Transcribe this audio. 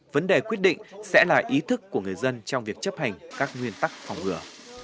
vấn đề quyết định sẽ là ý thức của người dân trong việc chấp hành các nguyên tắc phòng ngừa